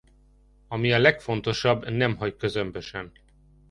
Ami a legfontosabb nem hagy közömbösen.